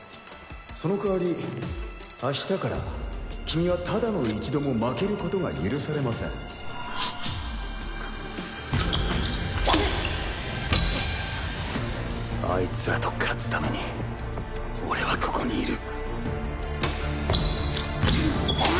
その代わり明日から君はただの一度も負けることが許されませんアイツらと勝つために俺はここにいる！